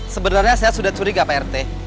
sebenarnya saya sudah curiga pak rt